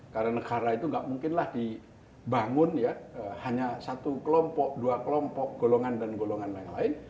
karena negara itu gak mungkinlah dibangun ya hanya satu kelompok dua kelompok golongan dan golongan lain lain